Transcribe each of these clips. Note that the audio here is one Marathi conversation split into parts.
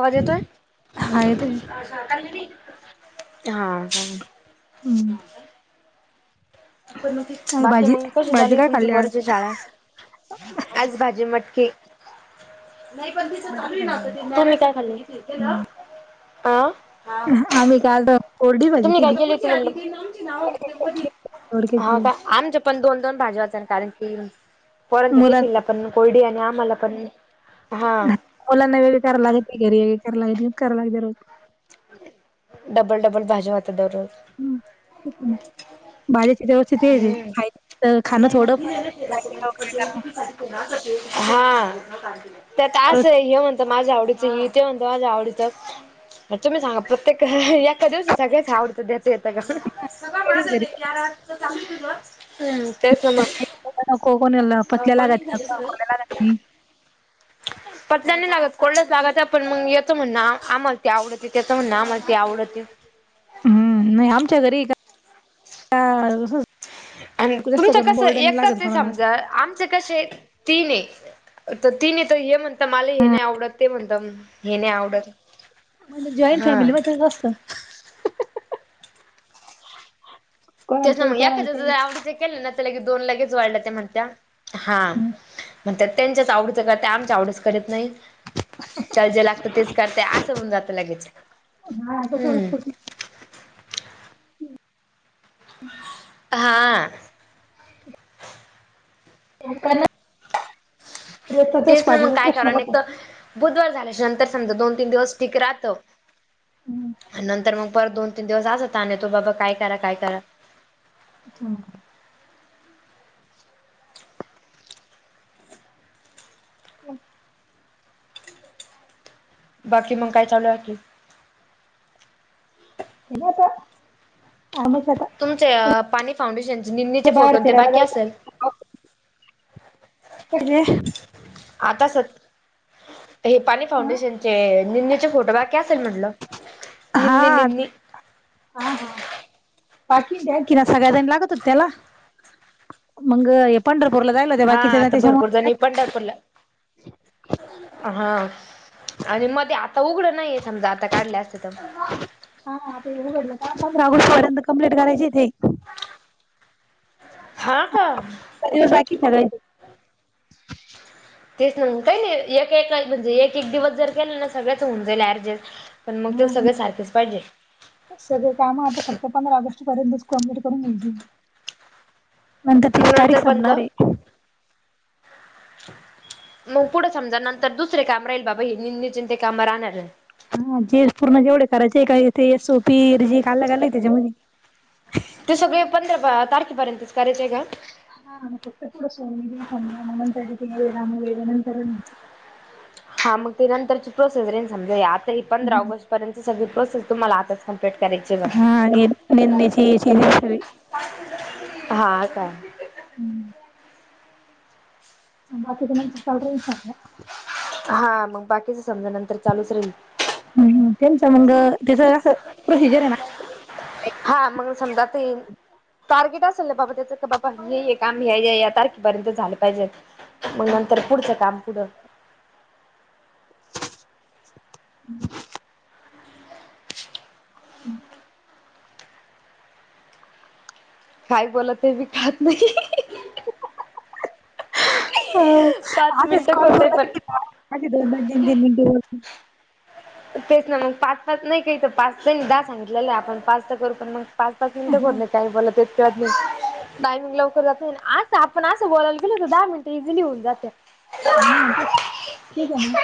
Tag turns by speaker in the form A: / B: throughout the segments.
A: आवाज येतोय?
B: हाय तुझी
A: [inaudible] हाआ
B: हं हं [unintelligible] काय
A: बाकी
B: भाजी
A: मंग कशी
B: भाजी
A: चालुए
B: काय
A: तुमच्या
B: खाल्ली आज?
A: पोऱाची शाळा? आज भाजी मटकी. [inaudible]
B: मटकी खाल्ली
A: काय खाल्ली? अं [unintelligible]
B: का? आम्ही काल्ड
A: तुम्ही काय [inaudible] हाव
B: दोडक्याची
A: का? आमच्या पण दोन दोन भाज्या होत्या ना कारण की, पोरांनच्या
B: मुलांना
A: टिफिनला पण कोरडी आणि आम्हाला पण हा
B: मुलांना वेगळी करा लागत्ती [unintelligible]
A: डबल डबल भाज्या होत्या दररोज.
B: हम् [unintelligible] बारीच्या जीवाचं तेजए,
A: हम्म.
B: खाय खाणं
A: नाही
B: थोडं फार, [unintelligible]
A: असाचए [inaudible] हा, त्यात
B: रोज
A: असंय हे म्हणतात माझ्या आवडीचं हे ते म्हणतं माझ्या आवडीचं तुम्ही सांगा, प्रत्येक एहह एका दिवसासाठीच हावडतं देता येतं का? सगळ
B: तेच घरी
A: माझचए,
B: करायचं.
A: क्याराटचं चालूज होतं, हं
B: [unintelligible] नको कोणाला पचाला
A: कॉलिंग झालं
B: [unintelligible]
A: सगळं?
B: कोणला तींन
A: पचाल्या नाई लागत, कोल्डच लागत्या पण मग याचं म्हणनं आम्हाला ते आवडते त्याचं म्हणनं आम्हाला ते आवडते
B: हम्म, नाही आमच्या घरीऐ का क तसंच
A: आन तुमचं कस
B: लागत
A: एकच
B: कोणाला जास्त.
A: समजा आमचे कशे तीनए. त तीनए त हे म्हंता मला हे नाही आवडत, ते म्हंता हे नाही आवडत.
B: म्हणजे जॉईंट
A: हा
B: फॅमिलीबद्दल जस्त कोणाला काही
A: त्याच्यामु
B: कोणाला
A: येकाचं जरी
B: काही
A: आवडे केलं ना की त दोन लगेच वाळल्या. त्या म्हणत्या, हा, पन त्यांच्याच आवडी रत्या आमच्या आवडीच करीत नाहीत त्याला जे लागत तेच करत्या, असं होऊन जातं लगेच.
B: हा असं
A: हम्म
B: [unintelligible]
A: हाआ तेच ना मग काय कारण एक तर
B: [inaudible]
A: बुधवार झाल्याच्या नंतर समजा दोन तीन दिवस टीक ऱ्हातं नंतर मग परत दोन तीन दिवस असा ताण येतो बगा काय करा काय करा?
B: हम्म.
A: बाकी मग काय चालूए आणखीन?
B: बोला आरामच येता
A: तुमचे पाणी फाउंडेशनचे निम्मीचे फोटो आन ते
B: फिरायला
A: बाकी असल? अम्
B: जायचं [unintelligible]
A: आता सत हे पाणी फाऊंडेशनचे निम्मीचे फोटो बाकी असेल म्हनलं.
B: हा, हा हा पाकिजेन. कि ना सगळ्याजणी लागत होत्या त्याला, मंग हे पंढरपूरला जायला होत्या
A: हा
B: बाकीच्या जणी
A: आता भरपूर
B: त्याच्यामुळे
A: जणी पंढरपूरला आहा आणि मध्ये आता उघडं नाहीये समजा आता काढले असते तर.
B: हा आता हे उघडलं का पंधरा ऑगस्ट पर्यंत कंप्लीट करायचेत हे. [inaudible]
A: हा का
B: तेच बाकी खरंय
A: तेच ना काय नाही एक एक म्हणजे एक एक दिवस जर केलं ना सगळ्याचं होऊन जाईल ऍडजेस. पण मग ते सगळे
B: हा
A: सारखेच पाहिजे.
B: सगळे काम आता फक्त पंधरा ऑगस्ट पर्यंतच कंप्लीट करून घ्यायची नंतर
A: मग
B: त्याची तारीख
A: बंद.
B: संपणार आहे.
A: मग पुढं समजा नंतर दुसरे काम राहील बाबा हे निम्मे चिंदे ते काम राहणार नाही.
B: हा जे पूर्ण जेवढे करायचे काय ते एस ओ पीर जे खाल्ला खाल्लाय त्याच्या मध्ये.
A: ते सगळे पंधरा बा तारखेपर्यंतच करायचे का.
B: [unintelligible]
A: हा मग ते नंतरची प्रोसेस रे समजा आता हे पंधरा ऑगस्ट पर्यंतची सगळी प्रोसेस तुम्हाला आताच‌ कम् पेट करायची ब
B: हा हे [unintelligible] सगळी
A: हा काय
B: हम्म बाकी तुमाचं चालू राहील समजा
A: हा मग बाकीचं समजा नंतर चालूच राहील.
B: हम्म तेंचा मंग अ त्याचं असं प्रोसिजर आहे ना.
A: हा मग समजा ते येईन टार्गेट असेल ना बाबा त्याचं का बाबा हे हे काम ह्या ह्या या तारखेपर्यंत झाले पाहिजेल. मग नंतर पुढचं काम पुढं.
B: हम् हम्
A: काय बोललं ते बी कळत नाही. पाच
B: आसेच
A: मिनिटं
B: कॉल
A: होतंय पण
B: करून [inaudible] माझे दोन दोन तीन तीन दिवस
A: तेच ना मंग पाच पाच नाही काही तर पाच त्यांनी दहा सांगितलेलं आपण पाच तर करतो ना मंग. पाच पाच मिनिटं
B: हा
A: बोलले काही बोललं ते. कळत नाही टायमिंग लवकर जात नाही ना‌ आसं आपण आसं बोलायला गेलो तर दहा मिनिट इझिली होऊन जात्यात.
B: हा तेच तेच आहे ना मग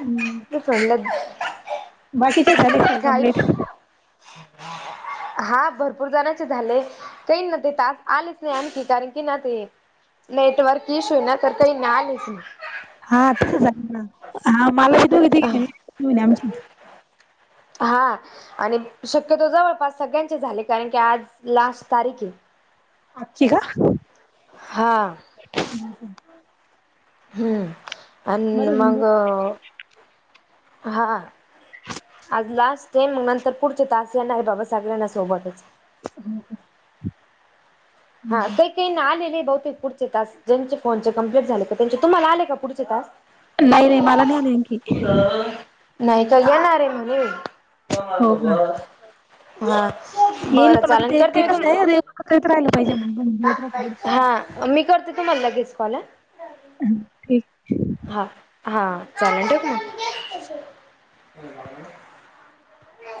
B: हम्म‌
A: तेच म्हणलं
B: बाकीचे झाले काय
A: काही
B: कम्प्लीट.
A: [inaudible] हा भरपूर जणांचे झाले काहींना ते टास्क आलेच नाही आणखी कारण की ना ते नेटवर्क इश्यू आहे ना तर काहींना आलेच नाही.
B: हा तसं झालं ना हा मला ही दोघी
A: नाही
B: तिघी [inaudible] आमची
A: हा आणि शक्यतो जवळपास सगळ्यांचे झाले कारण की आज लास्ट तारीख आहे.
B: आजची का
A: हा
B: हम्म हम्म
A: हम्म अन
B: बरं होऊन
A: मग
B: जाईल
A: अ हा आज लास्ट डे मग नंतर पुढचे टास्क येणार आहे बाबा सगळ्यांना सोबतच
B: हो का
A: हा
B: हम्म.
A: काही काही ना आलेले आहे बहुतेक पुढचे तास ज्यांचे फोनचे कमप्लीट झाले का त्यांचे तुम्हाला आले का पुढचे तास?
B: नाही नाही मला नाही आले आणखी.
A: नाही तर येणार आहे म्हणे.
B: हो का
A: हा, बरं चालेल करते मी तु''--''
B: करत राहिला पाहिजे, [unintelligible]
A: हा, मी करते तुम्हाला लगेच कॉल ह.
B: हा, ठीक हाय.
A: हा हा, चालेल ठेवू का मग. हो [inaudible]